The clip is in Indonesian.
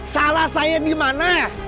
salah saya di mana